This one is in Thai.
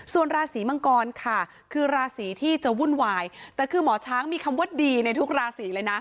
ส่วนราศีมังกรค่ะคือราศีที่จะวุ่นวายแต่คือหมอช้างมีคำว่าดีในทุกราศีเลยนะ